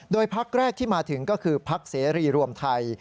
โดยพักแรกที่มาถึงก็คือพักเสรีรวมไทย